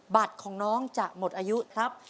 บัตรของน้องจะหมดอายุครับ